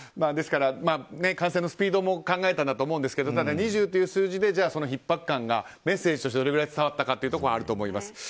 ですから、感染のスピードも考えたんだと思うんですがただ２０という数字でひっ迫感がメッセージとしてどれぐらい伝わったかというところがあると思います。